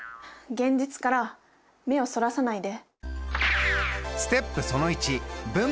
現実から目をそらさないで。